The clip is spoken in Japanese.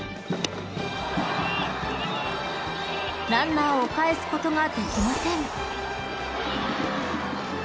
［ランナーをかえすことができません］